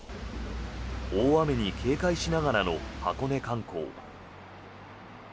大雨に警戒しながらの箱根観光。